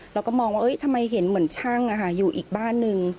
เราก็มองว่าทำไมเห็นเหมือนช่างอยู่อีกบ้านนึง